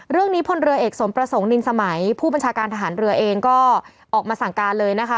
พลเรือเอกสมประสงค์นินสมัยผู้บัญชาการทหารเรือเองก็ออกมาสั่งการเลยนะคะ